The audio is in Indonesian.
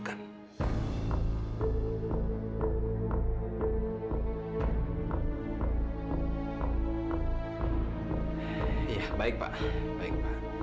hai baik pak